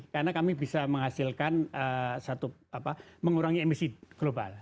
karena kami bisa menghasilkan satu apa mengurangi emisi global